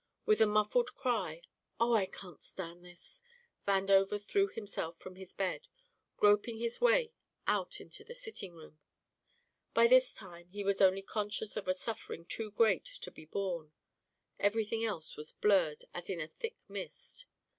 With a muffled cry, "Oh, I can't stand this!" Vandover threw himself from his bed, groping his way out into the sitting room. By this time he was only conscious of a suffering too great to be borne, everything else was blurred as in a thick mist.